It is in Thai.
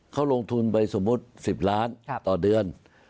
เขาลงทุนไปสมมุติ๑๐ล้านต่อเดือน